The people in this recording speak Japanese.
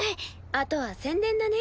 あとは宣伝だね。